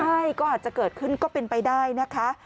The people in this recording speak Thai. ใช่ก็อาจจะเกิดขึ้นก็เป็นไปได้นะคะ